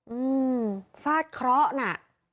อืมฟาดเคราะห์น่ะ